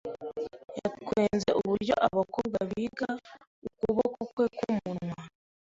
Yatwenze uburyo abakobwa biga, ukuboko kwe kumunwa.